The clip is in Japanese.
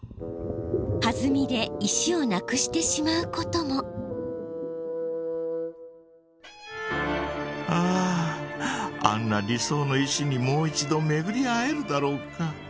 はずみで石をなくしてしまうこともあああんな理想の石にもう一度めぐり会えるだろうか？